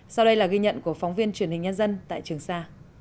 sau đây là ghi nhận của phóng viên truyền hình nhân dân tại trường sa